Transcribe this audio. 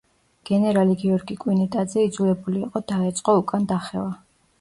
გენერალი გიორგი კვინიტაძე იძულებული იყო დაეწყო უკან დახევა.